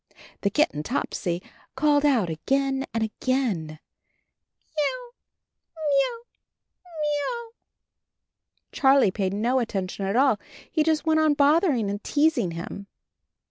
The kitten Topsy called out again and again — "Miaou, miaou, m i a o u." Charlie paid no attention at all; he just went on bothering and teasing him.